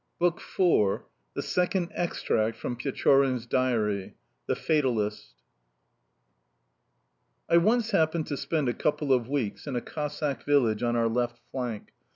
BOOK IV THE SECOND EXTRACT FROM PECHORIN'S DIARY THE FATALIST I ONCE happened to spend a couple of weeks in a Cossack village on our left flank.